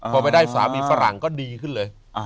พอไปได้สามีฝรั่งก็ดีขึ้นเลย